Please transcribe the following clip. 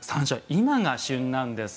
今が旬なんです。